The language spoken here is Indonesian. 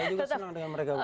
saya juga senang dengan mereka